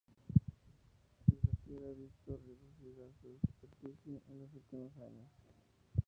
El glaciar ha visto reducida su superficie en los últimos años.